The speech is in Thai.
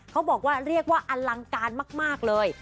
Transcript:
เขาบอกว่าเรียกว่าอลังการมากเลย